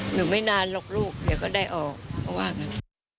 หนูไม่นานหรอกลูกเดี๋ยวก็ได้ออกเขาว่างั้น